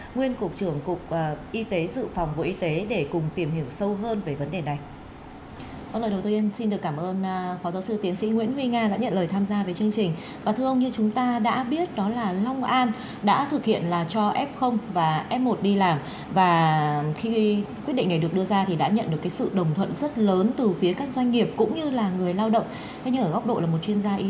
nguyên cục trưởng cục y tế dự phòng bộ y tế để cùng tìm hiểu sâu hơn về vấn đề này